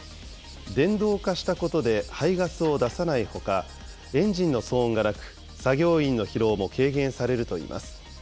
電動化したことで排ガスを出さないほか、エンジンの騒音がなく、作業員の疲労も軽減されるといいます。